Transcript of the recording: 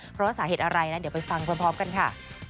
เพราะว่าสาเหตุอะไรนะเดี๋ยวไปฟังพร้อมกันค่ะ